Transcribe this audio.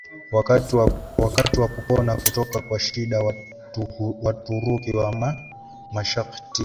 wakati wa kupona kutoka kwa shida Waturuki wa Meskhetian